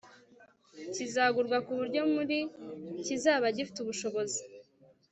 kizagurwa ku buryo muri kizaba gifite ubushobozi